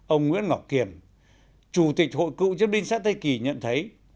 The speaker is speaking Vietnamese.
ông nguyễn ngọc kiểm chủ tịch hội cựu chiến binh xã tây kỳ nhận thấy